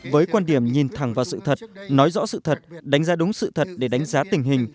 với quan điểm nhìn thẳng vào sự thật nói rõ sự thật đánh giá đúng sự thật để đánh giá tình hình